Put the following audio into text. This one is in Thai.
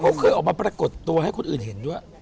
เขาเคยออกมาปรากฏตัวให้คนอื่นเห็นด้วย